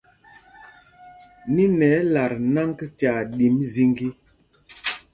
Niná ɛ́ ɛ́ lat nǎŋg tyaa ɗǐm zīgī.